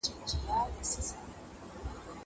زه هره ورځ ځواب ليکم.